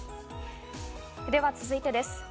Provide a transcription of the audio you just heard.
では続いてです。